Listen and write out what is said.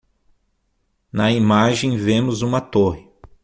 Na imagem vemos uma torre.